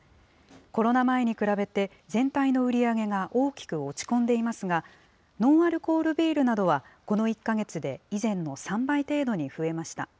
コロナ前に比べて、全体の売り上げが大きく落ち込んでいますが、ノンアルコールビールなどはこの１か月で以前の３倍程度に増えました。